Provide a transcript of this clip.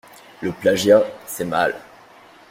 Le plagiat c'est mal.